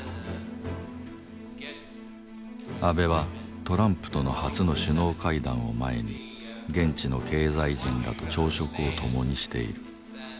安倍はトランプとの初の首脳会談を前に現地の経済人らと朝食を共にしている。